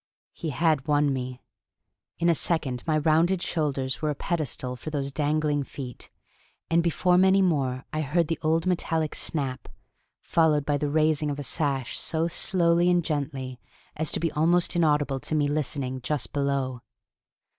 He had won me: in a second my rounded shoulders were a pedestal for those dangling feet. And before many more I heard the old metallic snap, followed by the raising of a sash so slowly and gently as to be almost inaudible to me listening just below.